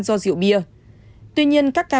do rượu bia tuy nhiên các ca